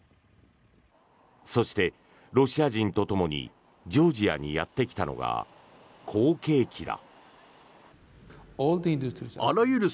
そして、ロシア人とともにジョージアにやってきたのが好景気だ。